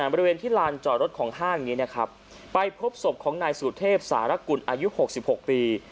บริเวณที่ลานจอดรถของห้างนี้นะครับไปพบศพของนายสุเทพสารกุลอายุ๖๖ปี